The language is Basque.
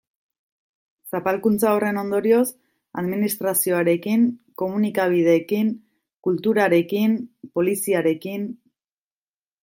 Zapalkuntza horren ondorioz, administrazioarekin, komunikabideekin, kulturarekin, poliziarekin...